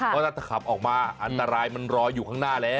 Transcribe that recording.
เพราะถ้าขับออกมาอันตรายมันรออยู่ข้างหน้าแล้ว